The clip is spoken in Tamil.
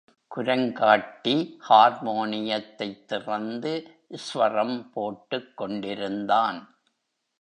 குரங்காட்டி ஹார்மோனியத்தைத் திறந்து ஸ்வரம் போட்டுக் கொண்டிருந்தான்.